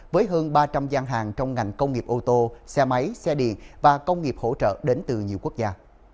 với hơn ba trăm linh gian hàng trong ngành công nghiệp ô tô xe máy xe điện và công nghiệp hỗ trợ đến từ nhiều quốc gia